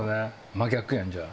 真逆やんじゃあ。